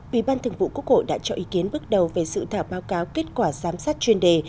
ủy ban thường vụ quốc hội đã cho ý kiến bước đầu về sự thảo báo cáo kết quả giám sát chuyên đề